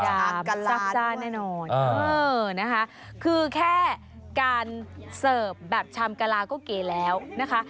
ซากจ้าแน่นอนเออนะคะคือแค่การเสิร์ฟแบบชามกะลาก็เก๋แล้วนะคะ